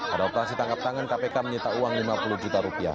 ada operasi tangkap tangan kpk menyita uang lima puluh juta rupiah